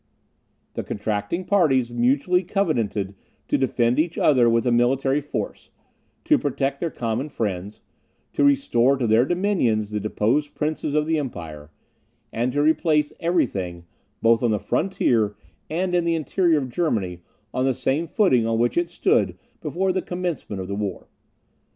The contracting parties mutually covenanted to defend each other with a military force, to protect their common friends, to restore to their dominions the deposed princes of the empire, and to replace every thing, both on the frontier and in the interior of Germany, on the same footing on which it stood before the commencement of the war.